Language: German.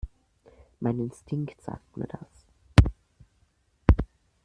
Mein Instinkt sagt mir das.